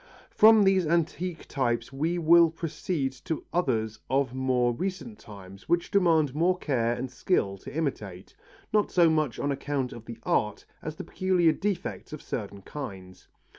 From these antique types we will proceed to others of more recent times which demand more care and skill to imitate, not so much on account of the art as the peculiar defects of certain kinds.